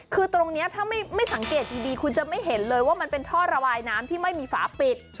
คือตรงนี้ถ้าไม่สังเกตดีคุณจะไม่เห็นเลยว่ามันเป็นท่อระบายน้ำที่ไม่มีฝาปิด